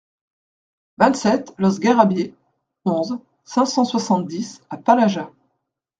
vingt-sept los Garrabiers, onze, cinq cent soixante-dix à Palaja